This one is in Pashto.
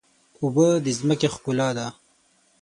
اوبه د ځمکې ښکلا ده.